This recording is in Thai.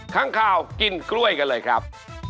ข้างข่าวกินกล้วยกันเลยครับ